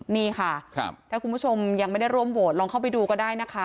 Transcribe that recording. นี่ค่ะถ้าคุณผู้ชมยังไม่ได้ร่วมโหวตลองเข้าไปดูก็ได้นะคะ